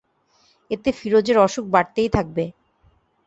এতে ফিরোজের অসুখ বাড়তেই থাকবে।